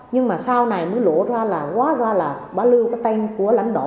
nhưng mà sau này mới lộ ra là quá ra là bà lưu cái tên của lãnh đạo